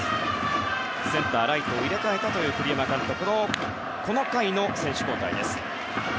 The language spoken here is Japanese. センター、ライトを入れ替えた栗山監督のこの回の選手交代です。